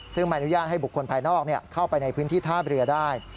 ซึ่งไม่อนุญาตให้บุคคลภายนอกเข้าไปในพื้นที่ท่าเรือได้